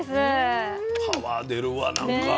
パワー出るわなんか。ね。